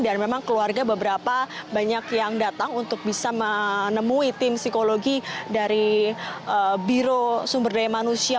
dan memang keluarga beberapa banyak yang datang untuk bisa menemui tim psikologi dari biro sumberdaya manusia